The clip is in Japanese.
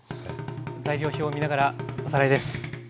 材料表を見ながらおさらいです。